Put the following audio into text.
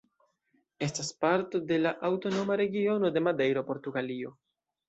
Estas parto de la Aŭtonoma Regiono de Madejro, Portugalio.